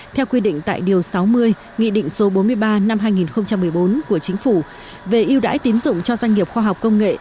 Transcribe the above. theo quy định tại điều sáu mươi nghị định số bốn mươi ba năm hai nghìn một mươi bốn của chính phủ về ưu đãi tín dụng cho doanh nghiệp khoa học công nghệ